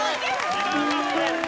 ２段アップです。